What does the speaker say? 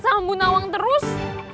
deket sama bunda wang terus